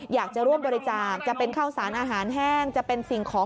อยากจะร่วมบริจาคจะเป็นข้าวสารอาหารแห้งจะเป็นสิ่งของ